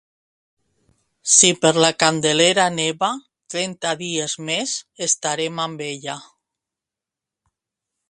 Si per la Candelera neva, trenta dies més estarem amb ella.